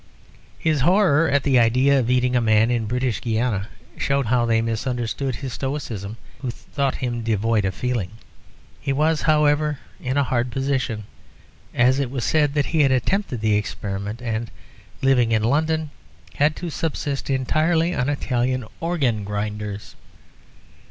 His horror at the idea of eating a man in British Guiana showed how they misunderstood his stoicism who thought him devoid of feeling. He was, however, in a hard position; as it was said that he had attempted the experiment, and, living in London, had to subsist entirely on Italian organ grinders.